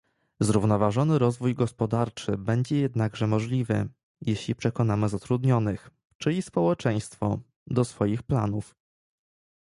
Zrównoważony rozwój gospodarczy będzie jednakże możliwy, jeśli przekonamy zatrudnionych, czyli społeczeństwo, do swoich planów